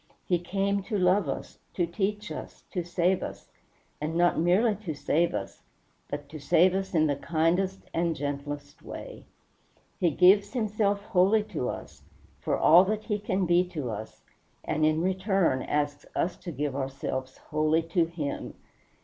He came to love us, to teach us, to save us; and not merely to save us, but to save us in the kindest and gentlest way. He gives himself wholly to us, for all that he can be to us, and in return asks us to give ourselves wholly to him.